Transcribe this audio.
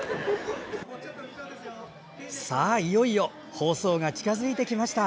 いよいよ放送が近づいてきました。